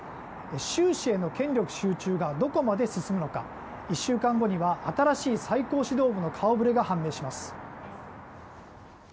習氏への権力集中がどこまで進むのか１週間後には新しい最高指導部の顔ぶれが判明します。